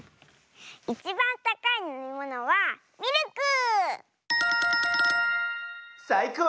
いちばんたかいのみものはミルク！さいこう！